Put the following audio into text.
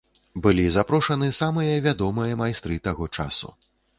Былі запрошаны самыя вядомыя майстры таго часу.